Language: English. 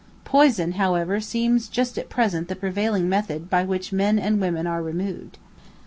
Poison, however, seems just at present the prevailing method by which men and women are removed.